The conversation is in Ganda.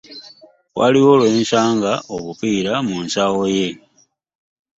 Waliwo lwe nasanga obupiira mu nsawo ye.